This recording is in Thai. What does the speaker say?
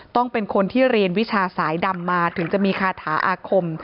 ต้องเป็นคนที่เรียนวิชาสายดำมาถึงจะมีคาถาอาคม